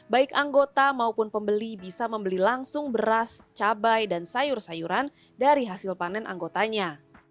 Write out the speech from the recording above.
baik anggota maupun pembeli bisa membeli langsung beras cabai dan sayur sayuran dari hasil panen anggotanya